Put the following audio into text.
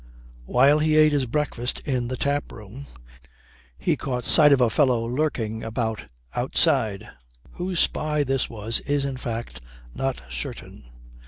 While he ate his breakfast in the taproom, he caught sight of a fellow lurking about outside. Whose spy this was is, in fact, not certain.